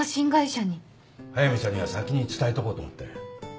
速見さんには先に伝えとこうと思って。